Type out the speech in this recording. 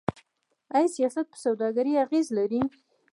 آیا سیاست په سوداګرۍ اغیز لري؟